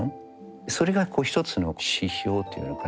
それが一つの指標っていうのかな。